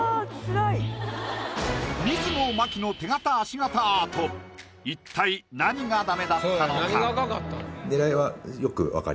水野真紀の手形足形アート一体何がダメだったのか？